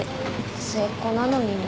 末っ子なのにね。